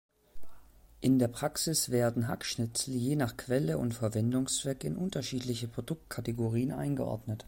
In der Praxis werden Hackschnitzel je nach Quelle und Verwendungszweck in unterschiedliche Produkt-Kategorien eingeordnet.